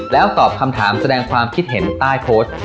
แล้วตอบคำถามแสดงความคิดเห็นใต้โพสต์